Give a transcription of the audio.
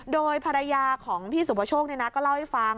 โดยภรรยาของพี่สุประโชคก็เล่าให้ฟัง